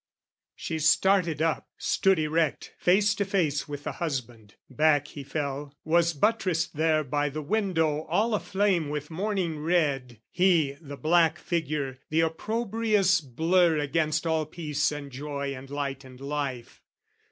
She started up, stood erect, face to face With the husband: back he fell, was buttressed there By the window all a flame with morning red, He the black figure, the opprobrious blur Against all peace and joy and light and life.